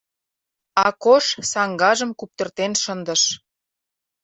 Акош саҥгажым куптыртен шындыш.